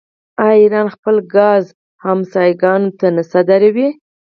آیا ایران خپل ګاز ګاونډیانو ته نه صادروي؟